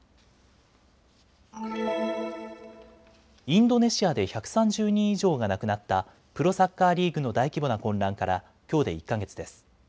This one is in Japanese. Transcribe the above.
インドネシアで１３０人以上が亡くなったプロサッカーリーグの大規模な混乱からきょうで１か月です。